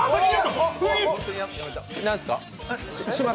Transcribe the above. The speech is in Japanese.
何ですか？